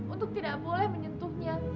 untuk tidak boleh menyentuhnya